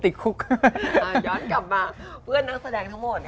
แสวเล่น